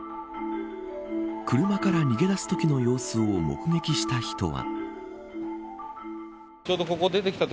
車から逃げ出すときの様子を目撃した人は。